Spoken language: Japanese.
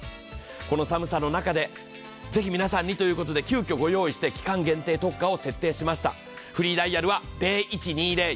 この寒さの中で、ぜひ皆さんにということで急きょご用意して期間限定特価を設定しました。